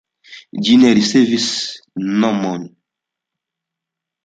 Ĝi ne ricevis nomon.